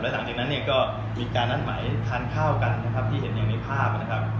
หลังจากนั้นเนี่ยก็มีการนัดหมายทานข้าวกันนะครับที่เห็นอยู่ในภาพนะครับ